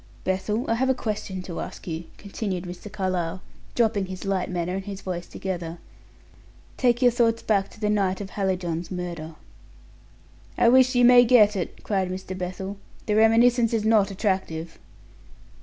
"Bethel, I have a question to ask you," continued Mr. Carlyle, dropping his light manner and his voice together. "Take your thoughts back to the night of Hallijohn's murder." "I wish you may get it," cried Mr. Bethel. "The reminiscence is not attractive."